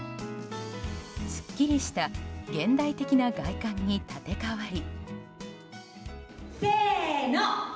すっきりした現代的な外観に建て替わり。